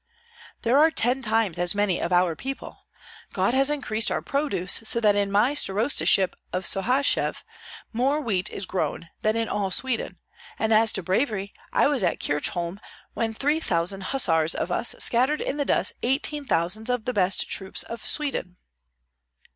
"There are ten times as many of our people. God has increased our produce so that in my starostaship of Sohachev more wheat is grown than in all Sweden; and as to bravery, I was at Kirchholm when three thousand hussars of us scattered in the dust eighteen thousand of the best troops of Sweden."